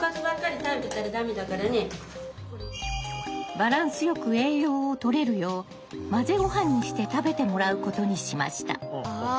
バランスよく栄養をとれるよう混ぜごはんにして食べてもらうことにしました。